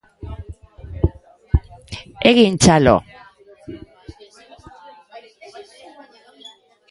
Egin txalo.